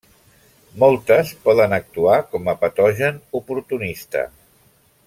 Moltes poden actuar com a patogen oportunista.